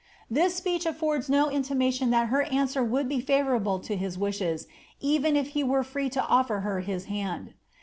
This speech afibrds no intimation that her answer would have been fiivourable to his wishes, even if he had been free to ofler her his hand.